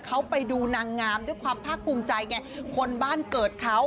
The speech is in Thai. เขาไปดูนางงามด้วยความภาคภูมิใจไงคนบ้านเกิดเขา